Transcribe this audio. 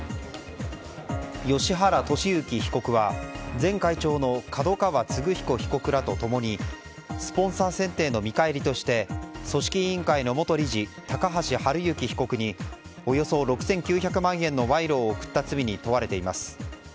芳原世幸被告は前会長の角川歴彦被告らと共にスポンサー選定の見返りとして組織委員会の元理事高橋治之被告におよそ６９００万円の賄賂を送った罪に問われています。